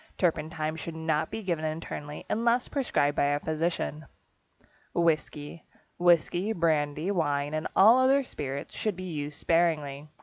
Turpentine should not be given internally, unless prescribed by a physician. =Whisky.= Whisky, brandy, wine, and all other spirits should be used sparingly.